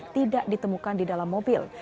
tidak ditemukan di dalam mobil